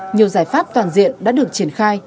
nhiều giải pháp toàn diện đã được triển khai